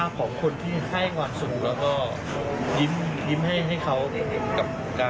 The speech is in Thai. ในครั้งนี้จดจำรอยยิ้มที่อยากให้กับเขาแล้วที่เขาไม่ให้กับกลุ่มเขา